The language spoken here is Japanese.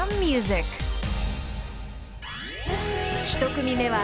［１組目は］